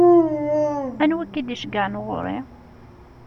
Anwa i k-id-iceggɛen ɣur-i?